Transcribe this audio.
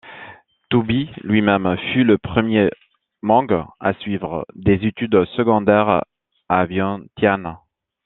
Touby lui-même fut le premier Hmong à suivre des études secondaires à Vientiane.